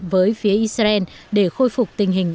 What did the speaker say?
với phía israel để khôi phục tình hình